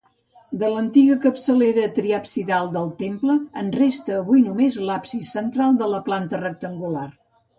De l'antiga capçalera triabsidal del temple, en resta avui només l'absis central de planta rectangular.